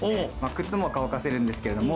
靴も乾かせるんですけれども。